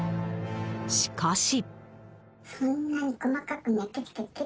しかし。